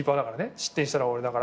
失点したら終わりだから。